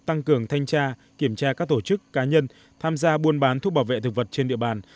tăng cường thanh tra kiểm tra các tổ chức cá nhân tham gia buôn bán thuốc bảo vệ thực vật trên địa bàn